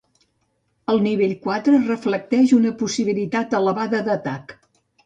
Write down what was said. El nivell quatre reflecteix una possibilitat elevada d’atac.